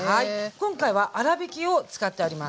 今回は粗びきを使っております。